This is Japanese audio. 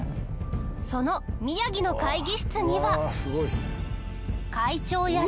その宮城の会議室には。